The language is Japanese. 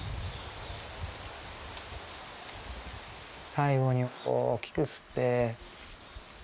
最後に大きく吸って。